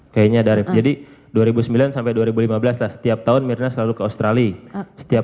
kayaknya darif jadi dua ribu sembilan sampai dua ribu lima belas lah setiap tahun mirna selalu ke australia setiap